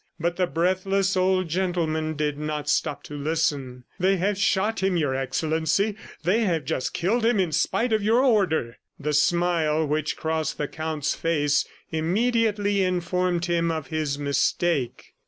But the breathless old gentleman did not stop to listen. "They have shot him, Your Excellency. ... They have just killed him in spite of your order." The smile which crossed the Count's face immediately informed him of his mistake.